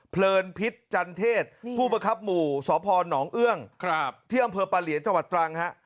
เพลินพิษจันเทศผู้บังคับหมู่สพหนองเอื้อที่อำเภอปาเหลียจตรังค์ฮะ